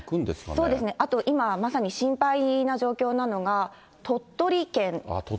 そうですね、あと今、まさに心配な状況なのが、鳥取県。